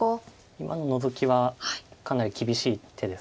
今のノゾキはかなり厳しい手です。